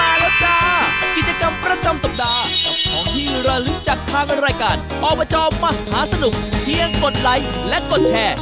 มาแล้วจ้ากิจกรรมประจำสัปดาห์กับของที่ระลึกจากทางรายการอบจมหาสนุกเพียงกดไลค์และกดแชร์